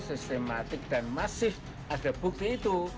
sistematik dan masih ada bukti itu